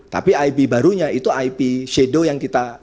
tapi ip barunya itu ip shadow yang kita